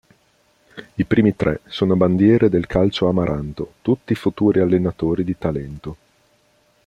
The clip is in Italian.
I primi tre sono bandiere del calcio amaranto, tutti futuri allenatori di talento.